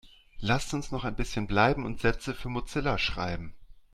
Lasst uns noch ein bisschen bleiben und Sätze für Mozilla schreiben.